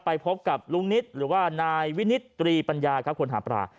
พบกับลุงนิตหรือว่านายวินิตรีปัญญาครับคนหาปลา